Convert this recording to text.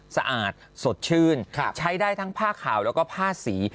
สะอาดสดชื่นใช้ได้ทั้งผ้าขาวแล้วก็ผ้าสี